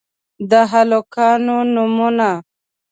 د هلکانو نومونه: